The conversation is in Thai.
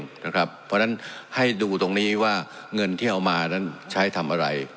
เพราะฉะนั้นให้ดูตรงนี้ว่าเงินที่เอามานั้นใช้ทำอะไร